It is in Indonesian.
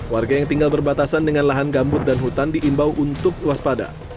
warga yang tinggal berbatasan dengan lahan gambut dan hutan diimbau untuk waspada